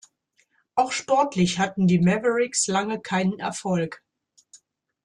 Auch sportlich hatten die Mavericks lange keinen Erfolg.